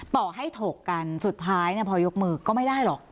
ต่อให้ถกกันสุดท้ายพอยกมือก็ไม่ได้หรอก